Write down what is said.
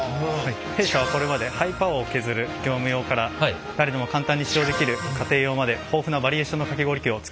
弊社はこれまでハイパワーで削る業務用から誰でも簡単に使用できる家庭用まで豊富なバリエーションのかき氷機を作ってまいりました。